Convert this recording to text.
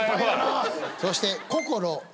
そして。